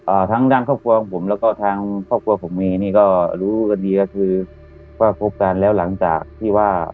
ทั้งด้านครอบครัวของผมแล้วก็ทางครอบครัวผมเมนี่ก็รู้กันดีก็คือว่าคบกันแล้วหลังจากที่ว่า